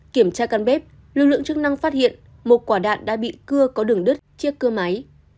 kiểm tra căn bếp lực lượng chức năng phát hiện một quả đạn đã bị cưa có đường đứt chiếc cơ máy